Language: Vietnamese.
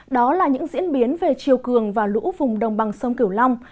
đó là những diễn biến về chiều cường và lũ vùng đồng bằng sông kiểu long